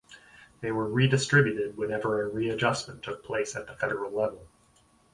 They were redistributed whenever a readjustment took place at the federal level.